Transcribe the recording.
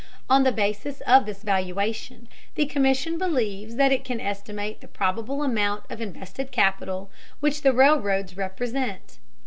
On the basis of this valuation the Commission believes that it can estimate the probable amount of invested capital which the railroads represent.